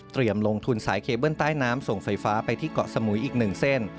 ลงทุนสายเคเบิ้ลใต้น้ำส่งไฟฟ้าไปที่เกาะสมุยอีก๑เส้น